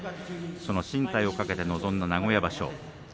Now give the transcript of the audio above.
進退を懸けて臨んだ名古屋場所